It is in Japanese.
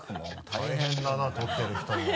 大変だな撮ってる人も。